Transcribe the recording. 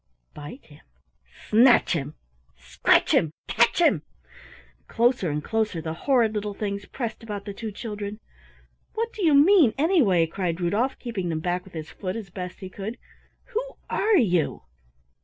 Bite him, snatch him, scratch him! Catch him!" Closer and closer the horrid little things pressed about the two children. "What do you mean, anyway?" cried Rudolf, keeping them back with his foot as best he could. "Who are you?